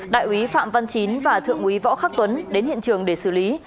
đại úy phạm văn chín và thượng úy võ khắc tuấn đến hiện trường để xử lý